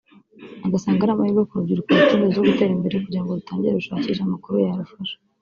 Agasanga ari amahirwe ku rubyiruko rufite inzozi zo gutera imbere kugira ngo rutangire rushakishe amakuru yarufasha